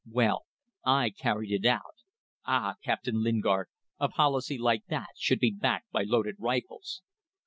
Well, I carried it out. Ah! Captain Lingard, a policy like that should be backed by loaded rifles